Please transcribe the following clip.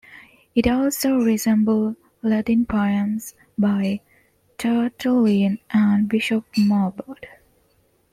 It also resembles Latin poems by Tertullian and Bishop Marbod.